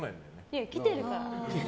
いや、来てるから。